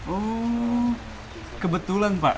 oh kebetulan pak